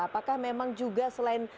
apakah memang juga selain